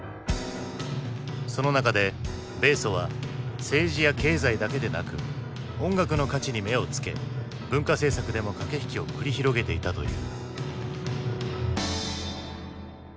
その中で米ソは政治や経済だけでなく音楽の価値に目をつけ文化政策でも駆け引きを繰り広げていたという。